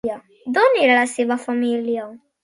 D'on era la seva família?